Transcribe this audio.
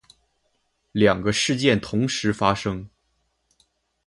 两个事件同时发生